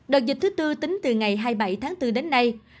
đợt dịch thứ tư tính từ ngày hai mươi bảy tháng bốn đến nay